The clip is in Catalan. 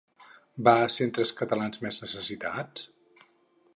Va a centres catalans mes necessitats??